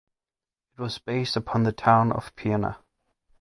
It was based upon the town of Pirna.